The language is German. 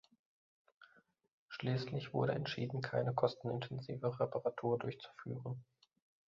Schließlich wurde entschieden, keine kostenintensive Reparatur durchzuführen.